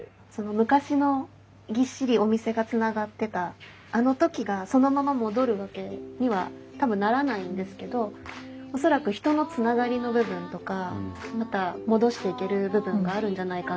昔のぎっしりお店がつながってたあの時がそのまま戻るわけには多分ならないんですけど恐らく人のつながりの部分とかまた戻していける部分があるんじゃないかなと思っていて。